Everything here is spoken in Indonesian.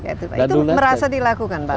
itu merasa dilakukan pak